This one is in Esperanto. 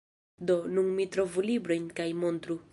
Do, nun mi trovu librojn kaj montru.